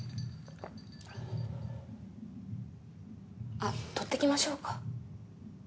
あっ取ってきましょうか？